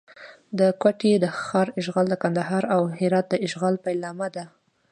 د کوټې د ښار اشغال د کندهار او هرات د اشغال پیلامه ده.